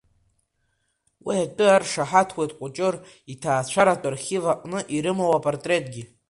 Уи атәы аршаҳаҭуеит Кәыҷыр иҭаацәаратә архив аҟны ирымоу апартреҭгьы.